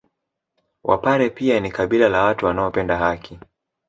Wapare pia ni kabila la watu wanaopenda haki